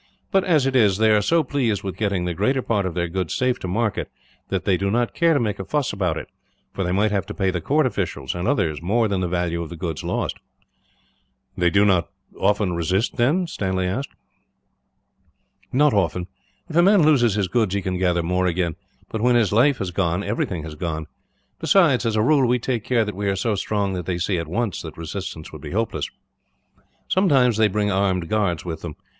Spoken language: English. But as it is, they are so pleased with getting the greater part of their goods safe to market that they do not care to make a fuss about it; for they might have to pay the court officials, and others, more than the value of the goods lost." "They do not often resist, then?" "Not often. If a man loses his goods, he can gather more again; but when his life has gone, everything has gone. Besides, as a rule we take care that we are so strong that they see, at once, that resistance would be hopeless. Sometimes they bring armed guards with them.